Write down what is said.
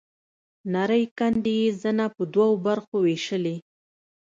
نرۍ کندې يې زنه په دوو برخو وېشلې.